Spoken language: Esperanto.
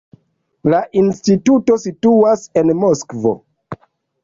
La instituto situas en Moskvo.